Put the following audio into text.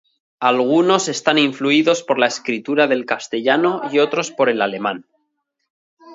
Algunos están influidos por la escritura del castellano y otros por el alemán.